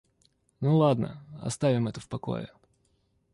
Ну ладно, оставим это в покое.